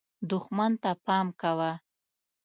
دښمن ته پام کوه .